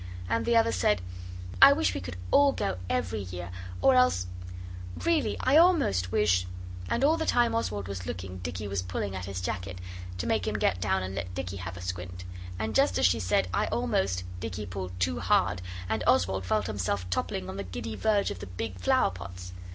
And the other said, 'I wish we could all go every year, or else Really, I almost wish ' And all the time Oswald was looking Dicky was pulling at his jacket to make him get down and let Dicky have a squint. And just as she said 'I almost,' Dicky pulled too hard and Oswald felt himself toppling on the giddy verge of the big flower pots.